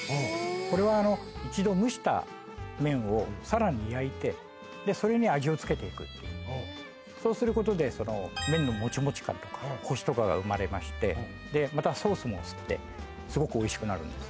これは一度蒸した麺をさらに焼いてそれに味をつけていくそうすることで麺のモチモチ感とかコシとかが生まれましてまたソースも吸ってすごくおいしくなるんです